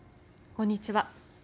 こんにちは。